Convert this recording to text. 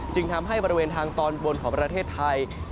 จึงทำให้บริเวณทางตอนบนของประเทศไทย